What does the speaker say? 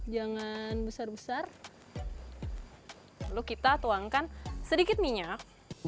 jangan besar besar lalu kita tuangkan sedikit minyak